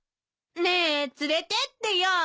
ねえ連れてってよ！